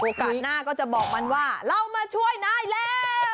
หน้าก็จะบอกมันว่าเรามาช่วยได้แล้ว